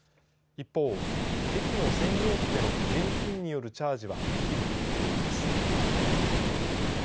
一方、駅の専用機での現金によるチャージはできるということです。